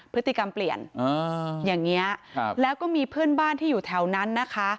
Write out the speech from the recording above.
พฤติกรรมเปลี่ยนอย่างนี้แล้วก็มีเพื่อนบ้านที่อยู่แถวนั้นนะคะ